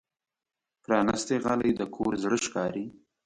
پرانستې غالۍ د کور زړه ښکاري.